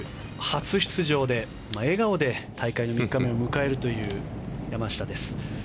初出場で笑顔で大会３日目を迎える山下です。